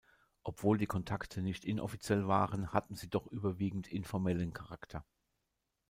Obwohl die Kontakte nicht inoffiziell waren, hatten sie doch überwiegend informellen Charakter.